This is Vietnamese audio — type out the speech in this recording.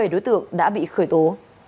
bảy đối tượng đã bị khởi tố